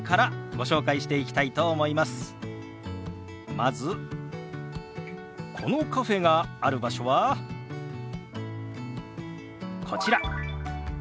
まずこのカフェがある場所はこちら。